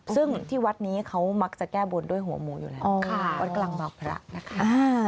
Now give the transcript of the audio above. ซึ่งที่วัดนี้เขามักจะแก้บนด้วยหัวหมูอยู่แล้ววัดกลางบางพระนะคะ